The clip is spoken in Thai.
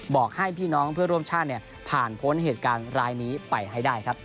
บอกให้พี่น้องเพื่อร่วมชาติผ่านพ้นเหตุการณ์ร้ายนี้ไปให้ได้ครับ